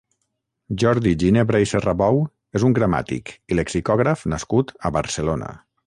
Jordi Ginebra i Serrabou és un gramàtic i lexicògraf nascut a Barcelona.